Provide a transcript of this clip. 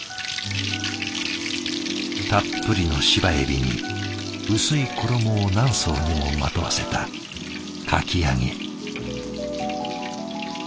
たっぷりの芝えびに薄い衣を何層にもまとわせたかき揚げ。